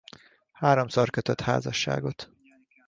Háromszor kötött házasságot.